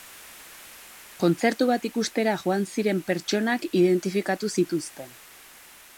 Kontzertu bat ikustera joan ziren pertsonak identifikatu zituzten.